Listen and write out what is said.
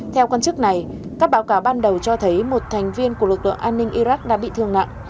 theo quan chức này các báo cáo ban đầu cho thấy một thành viên của lực lượng an ninh iraq đã bị thương nặng